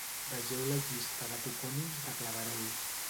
Vegeu la llista de Topònims de Claverol.